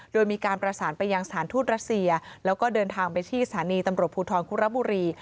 โดยมีการประสานไปยังสถานทูตรัสเซียแล้วก็เดินทางไปที่สถานีตำรวจภูทรคุระบุรี